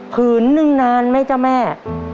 ผืนนึงนานไหมเจ้าแม่